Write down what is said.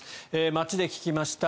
街で聞きました。